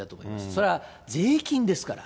それは税金ですから。